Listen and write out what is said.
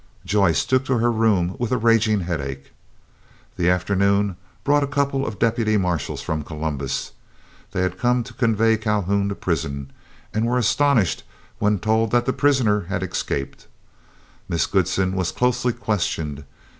Joyce took to her room with a raging headache. The afternoon brought a couple of deputy marshals from Columbus. They had come to convey Calhoun to prison, and were astonished when told that the prisoner had escaped. Miss Goodsen was closely questioned.